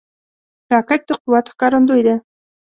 راکټ د قوت ښکارندوی ده